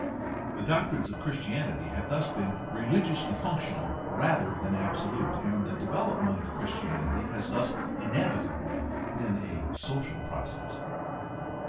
The doctrines of Christianity have thus been religiously 52 GUIDE TO STUDY OF CHRISTIAN RELIGION functional rather than absolute, and the development of Christianity has thus inevitably been a social process.